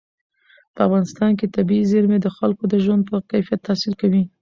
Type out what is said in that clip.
په افغانستان کې طبیعي زیرمې د خلکو د ژوند په کیفیت تاثیر کوي.